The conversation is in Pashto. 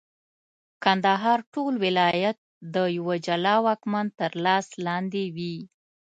کندهار ټول ولایت د یوه جلا واکمن تر لاس لاندي وي.